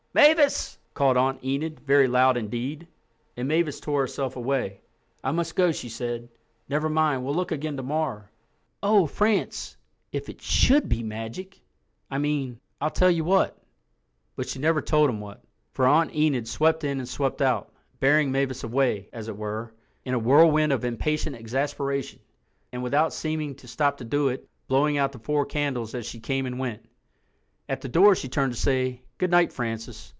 "MAVIS!" called Aunt Enid very loud indeed; and Mavis tore herself away. "I must go," she said. "Never mind, we'll look again tomorrow. Oh, France, if it should be—magic, I mean—I'll tell you what—" But she never told him what, for Aunt Enid swept in and swept out, bearing Mavis away, as it were, in a whirlwind of impatient exasperation, and, without seeming to stop to do it, blowing out the four candles as she came and went. At the door she turned to say, "Good night, Francis.